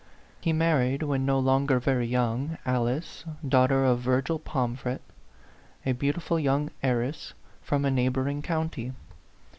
He married, when no longer very young, Alice, daughter of Virgil Pomfret, a beautiful young heiress from a neighboring county.